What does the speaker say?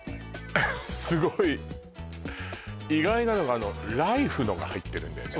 すごい意外なのがライフのが入ってるんだよね